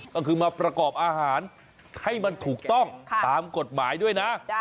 ก็คือมาประกอบอาหารให้มันถูกต้องตามกฎหมายด้วยนะ